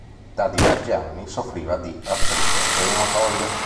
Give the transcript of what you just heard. Da diversi anni soffriva di artrite reumatoide.